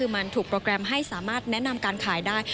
มันถูกโปรแกรมให้สามารถแนะนำการขายได้